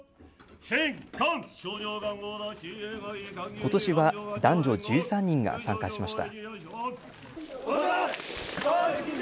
ことしは男女１３人が参加しました。